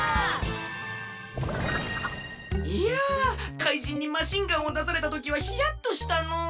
いや怪人にマシンガンをだされたときはヒヤッとしたの。